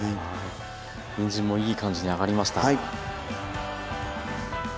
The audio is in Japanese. にんじんもいい感じに揚がりました。